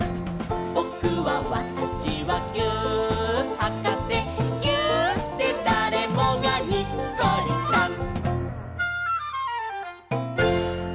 「ぼくはわたしはぎゅーっはかせ」「ぎゅーっでだれもがにっこりさん！」